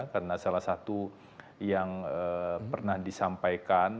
karena salah satu yang pernah disampaikan